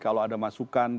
kalau ada masukan